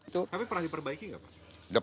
tapi pernah diperbaiki nggak